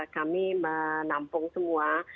kami menampung semua